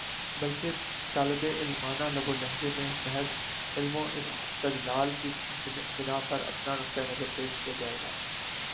بلکہ طالبِ علمانہ لب و لہجے میں محض علم و استدلال کی بنا پر اپنا نقطۂ نظر پیش کیا جائے گا